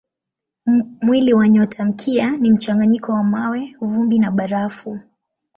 Mwili wa nyotamkia ni mchanganyiko wa mawe, vumbi na barafu.